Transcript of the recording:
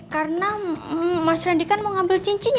karena mas randy kan mau ngambil cincin